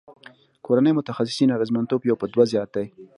کورني متخصصین اغیزمنتوب یو په دوه زیات دی.